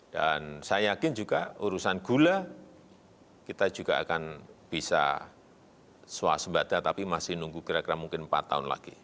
dan saya yakin juga urusan gula kita juga akan bisa swasembada tapi masih nunggu kira kira mungkin empat tahun lagi